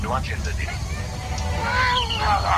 هغه د شفتالو په خوړلو بوخت دی.